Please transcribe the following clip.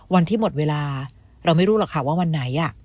วันที่หมดเวลาเราไม่รู้หรอกค่ะว่าวันไหน